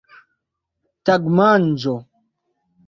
tagmanĝo